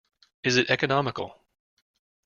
Is it economical?